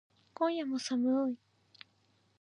今夜も寒い